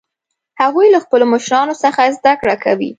هغوی له خپلو مشرانو څخه زده کړه کوي